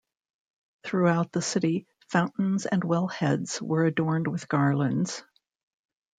Throughout the city, fountains and wellheads were adorned with garlands.